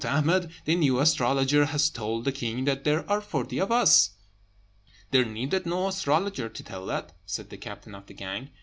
Ahmed, the new astrologer, has told the king that there are forty of us." "There needed no astrologer to tell that," said the captain of the gang.